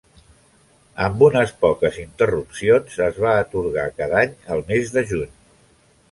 Amb unes poques interrupcions es va atorgar cada any al mes de juny.